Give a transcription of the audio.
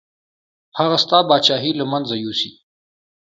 هغه ستا پاچاهي له منځه یوسي.